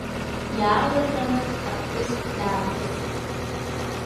Иаалырҟьаны аԥҳәыс дааҭрысит.